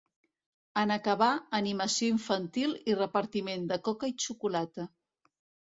En acabar, animació infantil i repartiment de coca i xocolata.